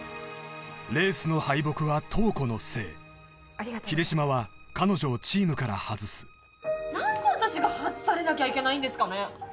レースの敗北は塔子のせい秀島は彼女をチームから外す何で私が外されなきゃいけないんですかね